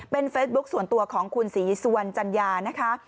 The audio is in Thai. เป็นเฟซบุ๊คส่วนตัวของคุณศรีสุวรรณจัญญานะคะ